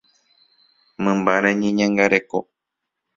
Mymbáre ñeñangareko.